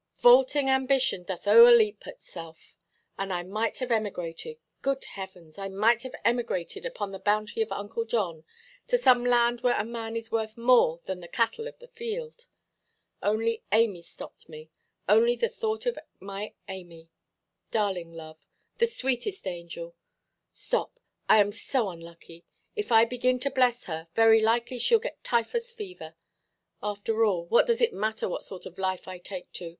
'Vaulting ambition doth oʼerleap itself.' And I might have emigrated—good Heavens! I might have emigrated upon the bounty of Uncle John, to some land where a man is worth more than the cattle of the field. Only Amy stopped me, only the thought of my Amy. Darling love, the sweetest angel—stop, I am so unlucky; if I begin to bless her, very likely sheʼll get typhus fever. After all, what does it matter what sort of life I take to?